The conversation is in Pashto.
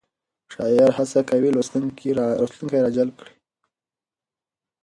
شاعر هڅه کوي لوستونکی راجلب کړي.